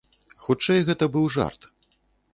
Хутчэй, гэта быў жарт.